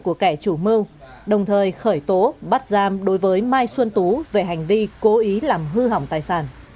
của kẻ chủ mưu đồng thời khởi tố bắt giam đối với mai xuân tú về hành vi cố ý làm hư hỏng tài sản